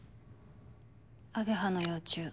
アゲハの幼虫。